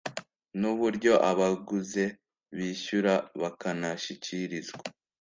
n uburyo abaguze bishyura bakanashyikirizwa